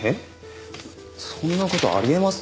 そんな事あり得ます？